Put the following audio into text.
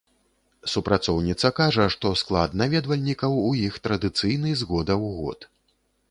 Супрацоўніца кажа, што склад наведвальнікаў у іх традыцыйны з года ў год.